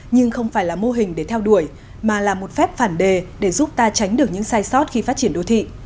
nhưng không phải là mô hình để theo đuổi mà là một phép phản đề để giúp ta tránh được những sai sót khi phát triển đô thị